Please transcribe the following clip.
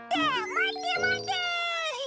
まてまて。